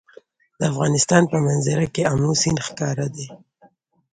د افغانستان په منظره کې آمو سیند ښکاره دی.